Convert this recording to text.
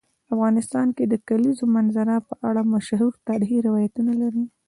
افغانستان د د کلیزو منظره په اړه مشهور تاریخی روایتونه لري.